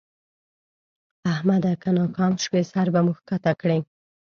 احمده! که ناکام شوې؛ سر به مو راکښته کړې.